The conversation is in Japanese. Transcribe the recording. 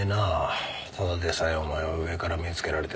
ただでさえお前は上から目ぇつけられてるんだ。